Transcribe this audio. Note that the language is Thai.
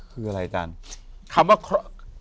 คืออะไรอาจารย์